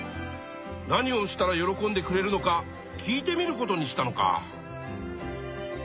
何をしたら喜んでくれるのか聞いてみることにしたのか。